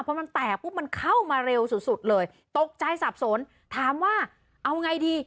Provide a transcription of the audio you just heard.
พอมันแตกปุ๊บมันเข้ามาเร็วสุดสุดเลยตกใจสับสนถามว่าเอาไงดี